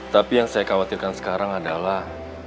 tapi yang saya khawatirkan sekarang adalah